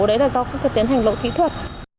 đấy là do các tiến hành lộ thị thuật